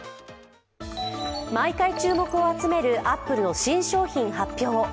毎回注目を集めるアップルの新商品発表。